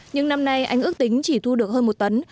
những năm nay anh ước tính chỉ thu được hơn một tấn